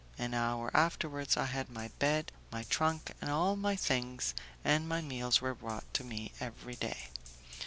An hour afterwards, I had my bed, my trunk and all my things, and my meals were brought to me every day.